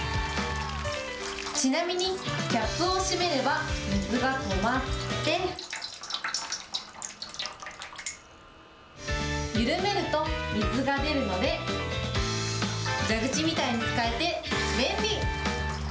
ちなみに、キャップを閉めれば水が止まって、緩めると水が出るので、蛇口みたいに使えて便利。